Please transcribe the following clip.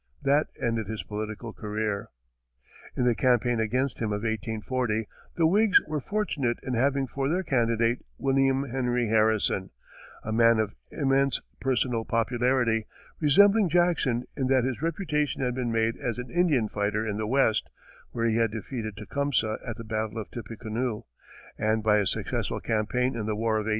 That ended his political career. In the campaign against him of 1840, the Whigs were fortunate in having for their candidate William Henry Harrison, a man of immense personal popularity, resembling Jackson in that his reputation had been made as an Indian fighter in the West, where he had defeated Tecumseh at the battle of Tippecanoe, and by a successful campaign in the war of 1812.